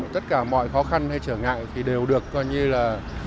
tất cả mọi khó khăn hay trở ngại thì đều được coi như là